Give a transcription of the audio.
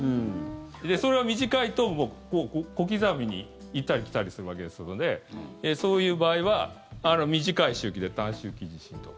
それが短いと、小刻みに行ったり来たりするわけですのでそういう場合は、短い周期で短周期地震動。